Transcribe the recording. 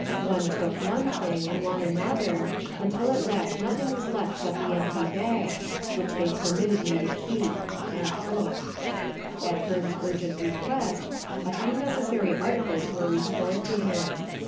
One took one thing and one another, till at last nothing was left but the empty bag, which they permitted me to keep.' At Hearne's urgent request, a few necessary articles were restored to him.